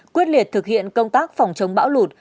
quyết liệt thực hiện công tác phòng chống bão lụt